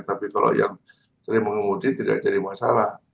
tapi kalau yang sering mengemudi tidak jadi masalah